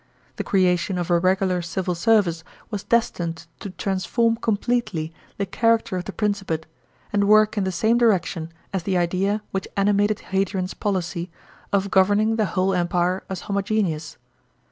The creation of a regular civil service was destined to transform completely the character of the Principate, and work in the same direction as the idea which animated Hadrian's policy, of governing the whole Empire as homogeneous.